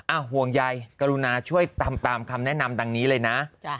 ห่วงใยกรุณาช่วยตามคำแนะนำดังนี้เลยนะ